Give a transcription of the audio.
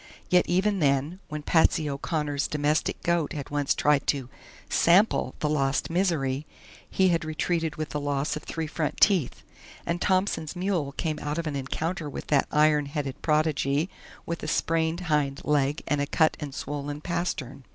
Yet even then, when Patsy O'Connor's domestic goat had once tried to "sample" the lost Misery, he had retreated with the loss of three front teeth, and Thompson's mule came out of an encounter with that iron headed prodigy with a sprained hind leg and a cut and swollen pastern.